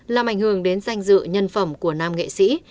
làm ảnh hưởng đến danh dự nhân phẩm của nam nghệ sĩ